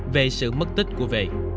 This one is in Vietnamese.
về sự mất tích của v